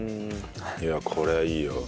いやこれはいいよ。